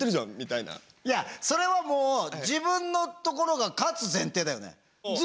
いやそれはもう自分のところが勝つ前提だよね？